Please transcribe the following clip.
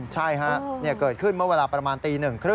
ใช่ฮะเกิดขึ้นเมื่อเวลาประมาณตี๑๓๐